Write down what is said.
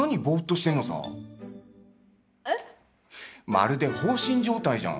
まるで放心状態じゃん！